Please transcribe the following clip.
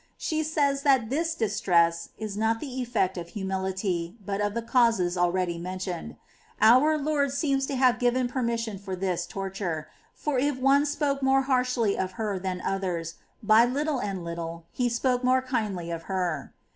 She says that this distress is not the efPect of humility, but of the causes already mentioned. Our Lord seems to have given permission^ for this torture ; for if one spoke more harshly of her than others, by little and little he spoke more kindly of her.